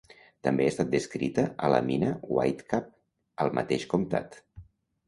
També ha estat descrita a la mina White Cap, al mateix comtat.